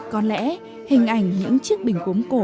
có lẽ hình ảnh những chiếc bình gốm cổ